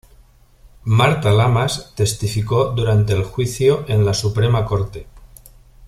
Marta Lamas testificó durante el juicio en la Suprema Corte.